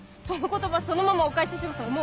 その言葉そのままお返しします。